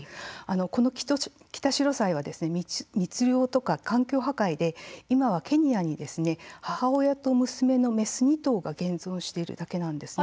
このキタシロサイは密猟とか環境破壊で今はケニアに母親と娘のメス２頭が現存しているだけなんですね。